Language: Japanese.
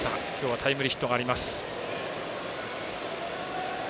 今日はタイムリーヒットがあります。